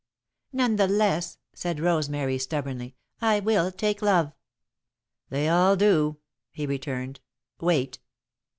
"None the less," said Rosemary, stubbornly, "I will take love." "They all do," he returned. "Wait."